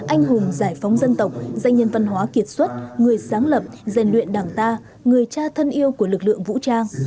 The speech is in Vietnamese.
anh hùng giải phóng dân tộc danh nhân văn hóa kiệt xuất người sáng lập rèn luyện đảng ta người cha thân yêu của lực lượng vũ trang